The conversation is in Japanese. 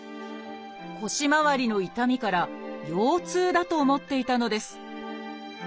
腰まわりの痛みから腰痛だと思っていたのです